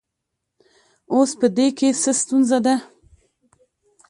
اوس په دې کې څه ستونزه ده